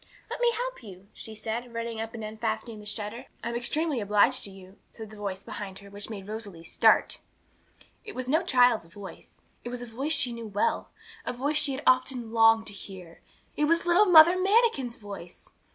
'Let me help you,' she said, running up and unfastening the shutter. 'I'm extremely obliged to you,' said a voice behind her which made Rosalie start. It was no child's voice; it was a voice she knew well, a voice she had often longed to hear. It was little Mother Manikin's voice!